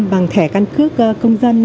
bằng thẻ căn cứ công dân